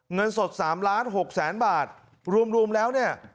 เงินสด๓ล้านหกแสนบาทรวมแล้วเนี่ย